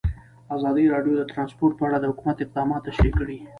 ازادي راډیو د ترانسپورټ په اړه د حکومت اقدامات تشریح کړي.